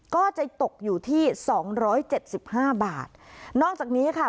ก็จะตกอยู่ที่สองร้อยเจ็ดสิบห้าบาทนอกจากนี้ค่ะ